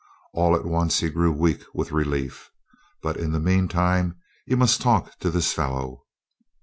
All at once he grew weak with relief. But in the meantime he must talk to this fellow.